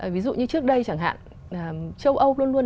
ví dụ như trước đây chẳng hạn